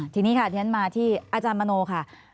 ทีนี้ค่ะที่ฉันมาที่อาจารย์มโนค่ะ